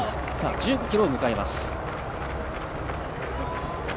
１５ｋｍを迎えます。